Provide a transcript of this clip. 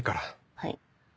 はい。